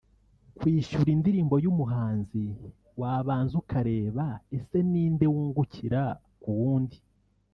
Kwishyura indirimbo y’umuhanzi wabanza ukareba ese ni nde wungukira ku wundi